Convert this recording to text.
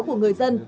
của người dân